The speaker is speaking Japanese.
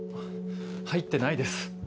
入ってないです。